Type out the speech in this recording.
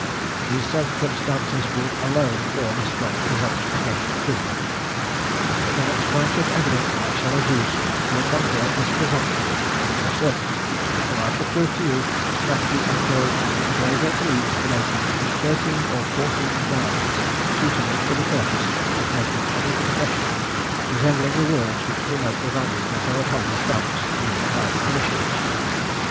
These circumstances would alone form a strong presumption against the prisoner: but the next branch of evidence I shall adduce, will convert this presumption into certainty; for I shall prove to you, that he employed an engraver at Leeds to make him thirteen or fourteen dies, suitable for the purpose of making any impression, resembling the words which denote the value that are upon the stamps used by the commissioners.